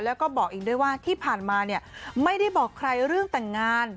แล้วก็บอกอีกด้วยว่าที่ผ่านมาเนี่ยไม่ได้บอกใครเรื่องแต่งงาน